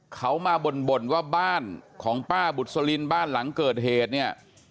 เขามาบ่นว่าบ้านของป้าบุษลินบ้านหลังเกิดเหตุเนี่ย